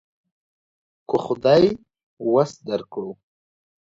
که خدای وس درکړو.